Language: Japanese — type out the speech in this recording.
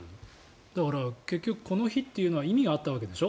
だから、結局この日というのは意味があったわけでしょ。